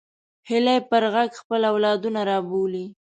هیلۍ پر غږ خپل اولادونه رابولي